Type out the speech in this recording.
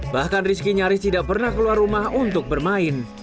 bahkan rizky nyaris tidak pernah keluar rumah untuk bermain